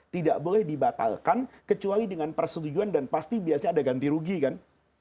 tidak boleh dibatalkan kecuali dengan persetujuan dan pasti biasanya ada ganti rugi kan